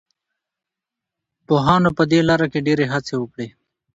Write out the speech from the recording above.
پوهانو په دې لاره کې ډېرې هڅې وکړې.